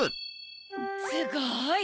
・すごい！